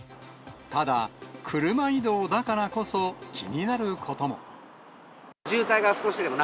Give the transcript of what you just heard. ただ、車移動だからこそ、気になることも。